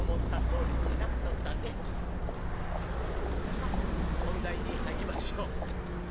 さあ本題に入りましょう。